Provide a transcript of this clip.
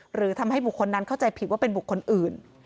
หรือทำให้บุคคลนั้นเข้าใจผิดว่าเป็นบุคคลอื่น